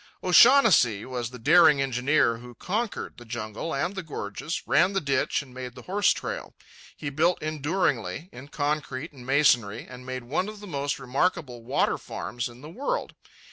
O'Shaughnessy was the daring engineer who conquered the jungle and the gorges, ran the ditch and made the horse trail. He built enduringly, in concrete and masonry, and made one of the most remarkable water farms in the world.